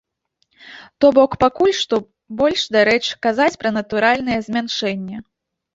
То бок пакуль што больш дарэчы казаць пра натуральнае змяншэнне.